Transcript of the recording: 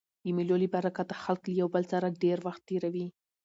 د مېلو له برکته خلک له یو بل سره ډېر وخت تېروي.